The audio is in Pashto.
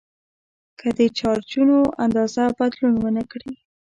که د چارجونو اندازه بدلون ونه کړي.